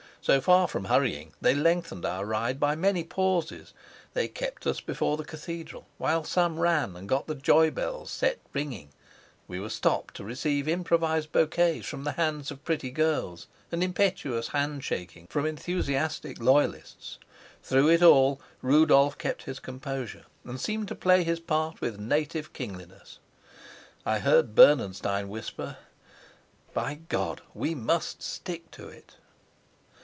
So far from hurrying, they lengthened our ride by many pauses; they kept us before the cathedral, while some ran and got the joy bells set ringing; we were stopped to receive improvised bouquets from the hands of pretty girls and impetuous hand shakings from enthusiastic loyalists. Through it all Rudolf kept his composure, and seemed to play his part with native kingliness. I heard Bernenstein whisper, "By God, we must stick to it!"